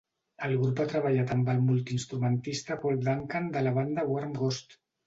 El grup ha treballat amb el multiinstrumentista Paul Duncan de la banda "Warm Ghost".